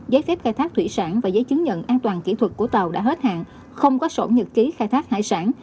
giấy phép khai thác thủy sản và giấy chứng nhận an toàn kỹ thuật của tàu đã hết hạn không có sổ nhật ký khai thác hải sản